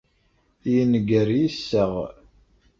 Yenger yisseɣ